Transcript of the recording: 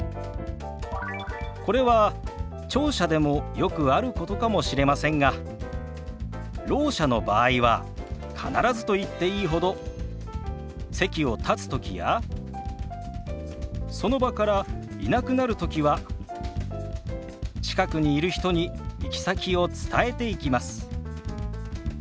これは聴者でもよくあることかもしれませんがろう者の場合は必ずと言っていいほど席を立つときやその場からいなくなるときは近くにいる人に行き先を伝えていきます。